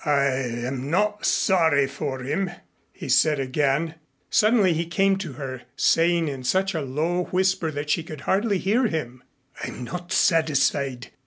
"I am not sorry for him," he said again. Suddenly he came to her saying in such a low whisper that she could hardly hear him, "I'm not satisfied.